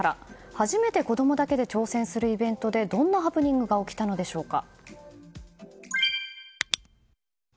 初めて子供だけで挑戦するイベントでどんなハプニングが起きたのでしょうか。